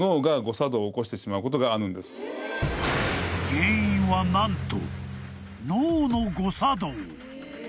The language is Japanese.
［原因は何と］